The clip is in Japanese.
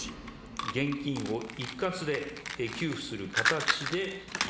現金を一括で給付する形で。